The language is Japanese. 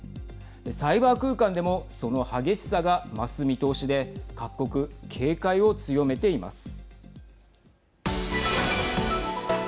サイバー空間でもその激しさが増す見通しで各国、警戒を強めています。